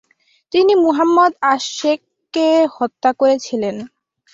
তিনি মোহাম্মদ আশ-শেখকে হত্যা করেছিলেন।